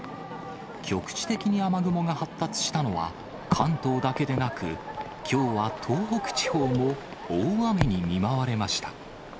局地的に雨雲が発達したのは、関東だけでなく、きょうは東北地方も大雨に見舞われました。